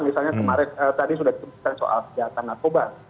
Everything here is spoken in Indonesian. misalnya kemarin tadi sudah dituliskan soal kejahatan narkoba